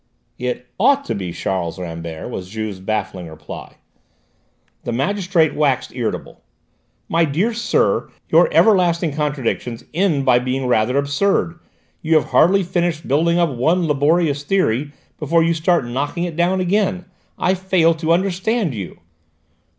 "It 'ought to be' Charles Rambert!" was Juve's baffling reply. The magistrate waxed irritable. "My dear sir, your everlasting contradictions end by being rather absurd! You have hardly finished building up one laborious theory before you start knocking it down again. I fail to understand you."